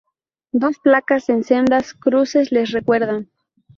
Dos placas en sendas cruces les recuerdan.